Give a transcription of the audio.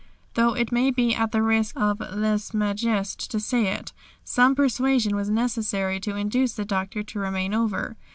Though it may be at the risk of lèse majesté to say it, some persuasion was necessary to induce the Doctor to remain over.